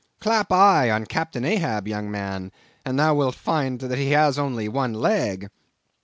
Clap eye on Captain Ahab, young man, and thou wilt find that he has only one leg."